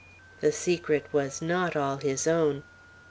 The secret was not all his own.